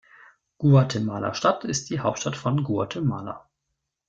Guatemala-Stadt ist die Hauptstadt von Guatemala.